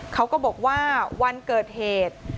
เขาก็บอกว่าวันเกิดเหตุ